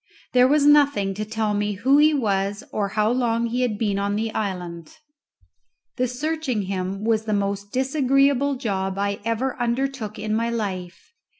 There was nothing to tell me who he was nor how long he had been on the island. The searching him was the most disagreeable job I ever undertook in my life.